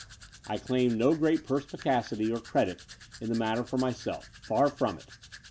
I claim no great perspicacity or credit in the matter for myself — ^f ar from it.